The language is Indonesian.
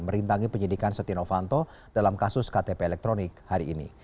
merintangi penyidikan setia novanto dalam kasus ktp elektronik hari ini